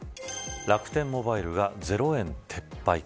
楽天モバイルが０円撤廃。